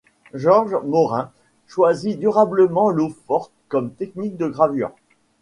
Jorj Morin choisit durablement l’eau-forte comme technique de gravure.